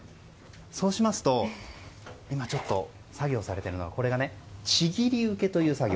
そうしますと今、作業されているのがちぎり受けという作業。